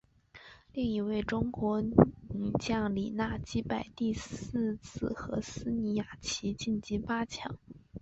另一位中国女将李娜击败第四种籽禾丝妮雅琪晋级八强。